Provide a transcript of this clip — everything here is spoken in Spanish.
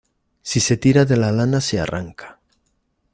Si se tira de la lana se arranca.